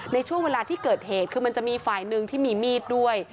ในช่วงเวลาที่เกิดเหตุคือมันจะมีฝ่ายหนึ่งที่มีมีดด้วย